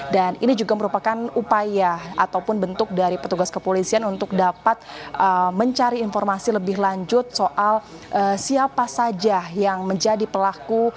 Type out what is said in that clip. dan ini juga merupakan upaya ataupun bentuk dari petugas kepolisian untuk dapat mencari informasi lebih lanjut soal siapa saja yang menjadi pelaku